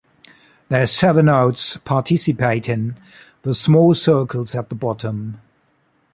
There are seven nodes participating; the small circles at the bottom.